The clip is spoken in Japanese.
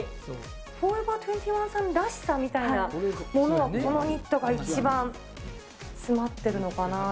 フォーエバー２１さんらしさみたいなものが、このニットが一番詰まってるのかな。